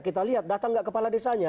kita lihat datang nggak kepala desanya